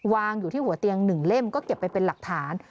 วางอยู่ที่หัวเตียง๑เล่มก็เก็บไปเป็นหลักฐาน